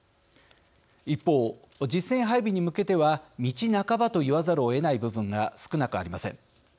一方、実戦配備に向けては道半ばと言わざるをえない部分が少なくありません。